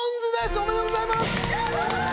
おめでとうございます！